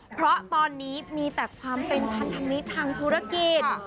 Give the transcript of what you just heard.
เพราะตอนนี้มีแต่ความเป็นพันธมิตรทางธุรกิจ